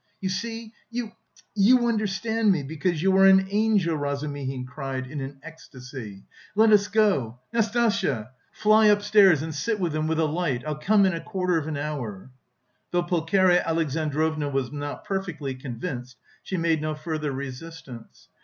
"You see, you... you... understand me, because you are an angel!" Razumihin cried in ecstasy, "let us go! Nastasya! Fly upstairs and sit with him with a light; I'll come in a quarter of an hour." Though Pulcheria Alexandrovna was not perfectly convinced, she made no further resistance.